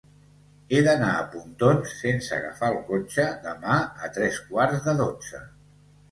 He d'anar a Pontons sense agafar el cotxe demà a tres quarts de dotze.